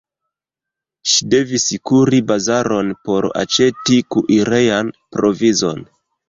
Ŝi devis kuri bazaron por aĉeti kuirejan provizon.